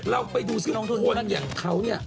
เราไปดูสิคนอย่างเขาเนี่ย